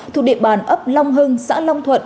thuộc địa bàn ấp long hưng xã long thuận